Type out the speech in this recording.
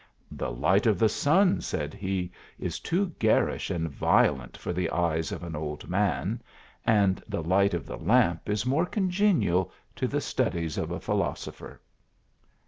" The light of the sun," said he, " is too garish and violent for the eyes of an old man ; and the light of the lamp is more congenial to the studies of a philosopher."